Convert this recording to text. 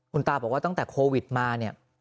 คุณตาบอกว่าตั้งแต่โควิดมาเนี่ย